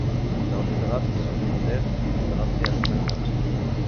Lors du draft supplémentaire, il est drafté à SmackDown.